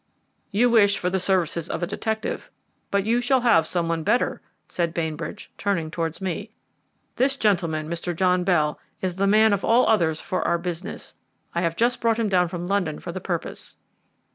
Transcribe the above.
"You wish for the services of a detective, but you shall have some one better," said Bainbridge, turning towards me. "This gentleman, Mr. John Bell, is the man of all others for our business. I have just brought him down from London for the purpose."